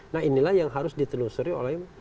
nah inilah yang harus ditelusuri oleh